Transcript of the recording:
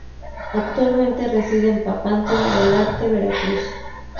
Actualmente reside en Papantla de Olarte, Veracruz.